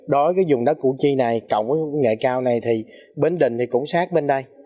đối với vùng đất củ chi này cộng với nghệ cao này thì bến đình cũng sát bên đó